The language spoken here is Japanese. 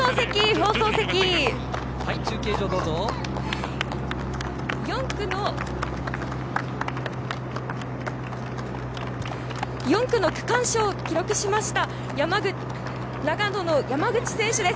放送席、４区の区間賞を記録しました長野の山口選手です。